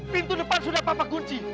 pintu depan sudah papa kunci